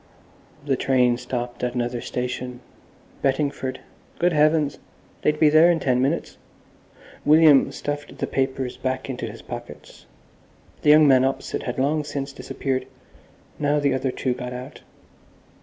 The train stopped at another station. Bettingford. Good heavens! They'd be there in ten minutes. William stuffed that papers back into his pockets; the young man opposite had long since disappeared. Now the other two got out.